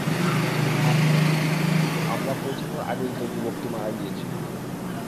মাফ করবেন, কিন্তু আমরা পৌঁছানোর আগেই তো যুবকটি মারা গিয়েছিল।